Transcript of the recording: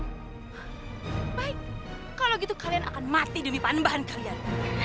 baik kalau begitu kalian akan mati demi panembahan kalian